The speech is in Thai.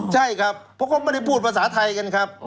ใช่ครับเพราะเขาไม่ได้พูดภาษาไทยกันครับ